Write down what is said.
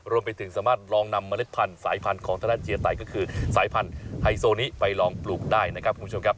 รวมไปถึงสามารถลองนำเมล็ดพันธุ์สายพันธุ์ของธนาเจียไตก็คือสายพันธุ์ไฮโซนี้ไปลองปลูกได้นะครับคุณผู้ชมครับ